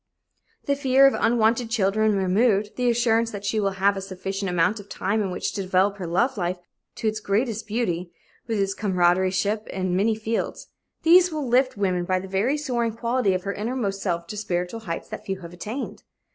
The fear of unwanted children removed, the assurance that she will have a sufficient amount of time in which to develop her love life to its greatest beauty, with its comradeship in many fields these will lift woman by the very soaring quality of her innermost self to spiritual heights that few have attained.